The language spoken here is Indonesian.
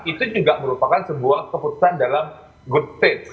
itu juga merupakan sebuah keputusan dalam good stage